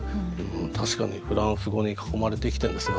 確かにフランス語に囲まれて生きてるんです我々ね。